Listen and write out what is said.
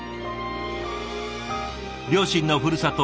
両親のふるさと